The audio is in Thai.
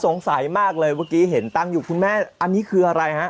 สงสัยมากเลยเมื่อกี้เห็นตั้งอยู่คุณแม่อันนี้คืออะไรฮะ